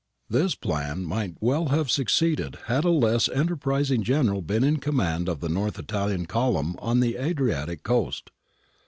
This plan might well have succeeded had a less enterprising General been in command of the North Italian column on the Adriatic coast.